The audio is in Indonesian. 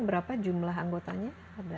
berapa jumlah anggotanya